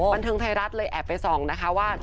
บันเทิงไทยรัฐเลยแอบไปส่องนะคะว่า